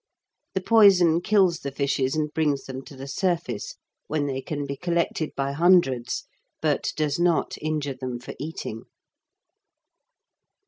The poison kills the fishes, and brings them to the surface, when they can be collected by hundreds, but does not injure them for eating.